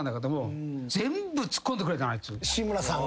志村さんが？